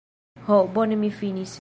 Ho bone mi finis